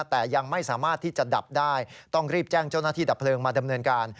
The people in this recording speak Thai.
แต่ยังไม่สามารถที่จะดับได้ต้องรีบแจ้งเจ้าหน้าที่ดับเพลิงมาดำเนินการ